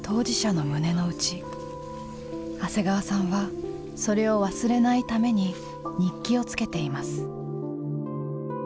長谷川さんはそれを忘れないために日記をつけています。